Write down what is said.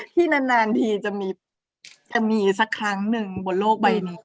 ที่นานทีจะมีสักครั้งหนึ่งบนโลกใบนี้